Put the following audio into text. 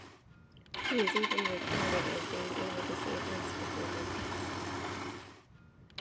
He is even recorded as being able to see events before they passed.